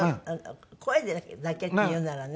声だけっていうならね。